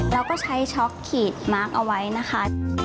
แล้วก็ใช้ช็อกขีดมาร์คเอาไว้นะคะ